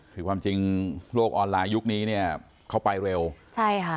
คือความจริงโลกออนไลน์ยุคนี้เนี่ยเขาไปเร็วใช่ค่ะ